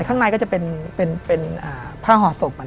ข้างในก็จะเป็นผ้าห่อศพ